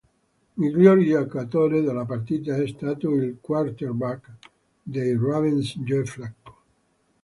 Miglior giocatore della partita è stato il quarterback dei Ravens Joe Flacco.